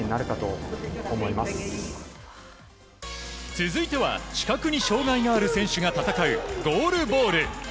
続いては視覚に障害がある選手が戦うゴールボール。